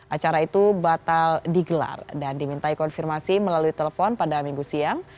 acara itu batal digelar dan dimintai konfirmasi melalui telepon pada minggu siang